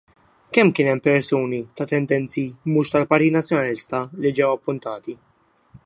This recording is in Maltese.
Kemm kien hemm persuni ta' tendenzi mhux tal-Partit Nazzjonalista li ġew appuntati?